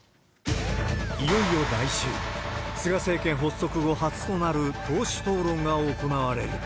いよいよ来週、菅政権発足後初となる党首討論が行われる。